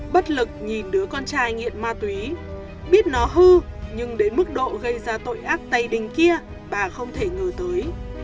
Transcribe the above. bất lực nhìn đứa con trai nghiện ma túy biết nó hư nhưng đến mức độ gây ra tội ác tây đình kia bà không thể ngờ tới